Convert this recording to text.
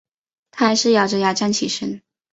她还是咬著牙站起身